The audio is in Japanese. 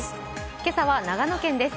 今朝は長野県です。